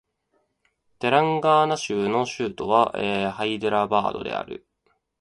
テランガーナ州の州都はハイデラバードである